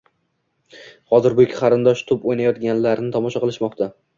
Hozir bu ikki qarindosh to'p o'ynayotganlarni tomosha qilishmoqda.